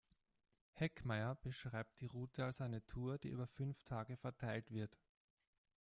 Heckmair beschreibt die Route als eine Tour, die über fünf Tage verteilt wird.